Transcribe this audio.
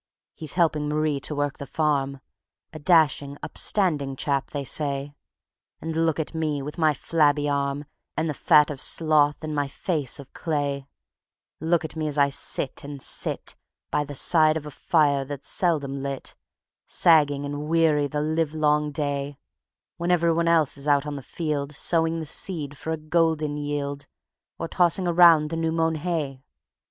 He's helping Marie to work the farm, A dashing, upstanding chap, they say; And look at me with my flabby arm, And the fat of sloth, and my face of clay Look at me as I sit and sit, By the side of a fire that's seldom lit, Sagging and weary the livelong day, When every one else is out on the field, Sowing the seed for a golden yield, Or tossing around the new mown hay.